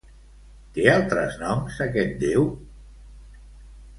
Té altres noms aquest déu?